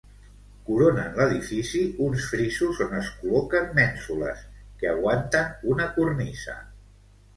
Coronen l'edifici uns frisos on es col·loquen mènsules que aguanten una cornisa.